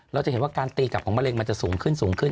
เราจะเห็นว่าการตีกลับของมะเร็งมันจะสูงขึ้นสูงขึ้น